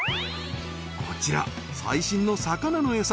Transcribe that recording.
こちら最新の魚のエサ